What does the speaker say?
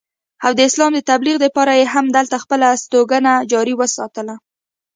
او د اسلام د تبليغ دپاره ئې هم دلته خپله استوګنه جاري اوساتله